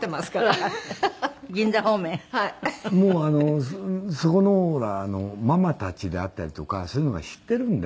もうそこのほらママたちであったりとかそういうのは知ってるんで。